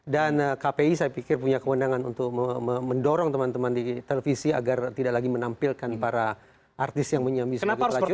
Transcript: dan kpi saya pikir punya kewenangan untuk mendorong teman teman di televisi agar tidak lagi menampilkan para artis yang menyambi sebagai pelacur